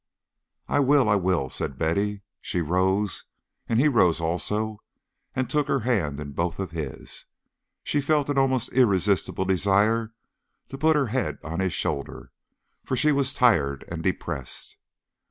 "I will, I will," said Betty. She rose, and he rose also and took her hand in both of his. She felt an almost irresistible desire to put her head on his shoulder, for she was tired and depressed.